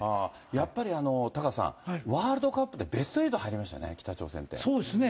やっぱりタカさん、ワールドカップでベスト８入りましたよね、そうですね。